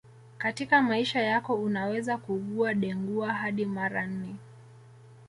Katika maisha yako unaweza kuugua Dengua hadi mara nne